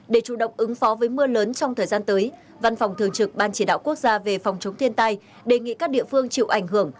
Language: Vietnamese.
để chủ động ứng phó với mưa lớn trong thời gian tới văn phòng thường trực ban chỉ đạo quốc gia về phòng chống thiên tai đề nghị các địa phương chịu ảnh hưởng